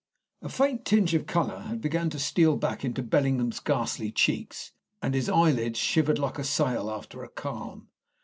A faint tinge of colour had begun to steal back into Bellingham's ghastly cheeks, and his eyelids shivered like a sail after a calm.